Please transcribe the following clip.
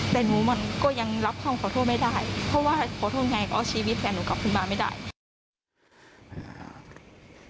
แต่หนูมันก็ยังรับคำขอโทษไม่ได้เพราะว่าขอโทษไงก็เอาชีวิตแฟนหนูกลับขึ้นมาไม่ได้